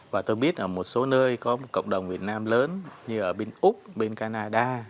và tôi biết ở một số nơi có một cộng đồng việt nam lớn như ở bên úc bên canada